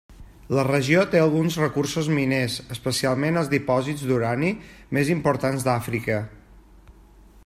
La regió té alguns recursos miners, especialment els dipòsits d'urani més importants d'Àfrica.